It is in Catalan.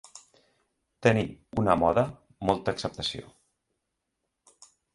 Tenir, una moda, molta acceptació.